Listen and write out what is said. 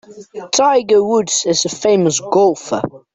Tiger Woods is a famous golfer.